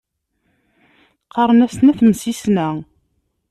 Qqaṛen-asen At Msisna.